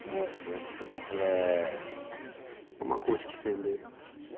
やってますねえ。